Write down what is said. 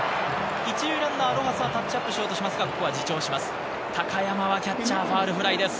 １塁ランナー、ロハスはタッチアップしようとしますが、ここは自重します。